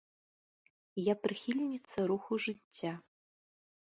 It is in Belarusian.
Я прыхільніца руху жыцця.